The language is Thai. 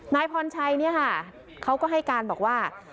นายพรชัยเนี่ยค่ะเขาก็ให้การบอกว่า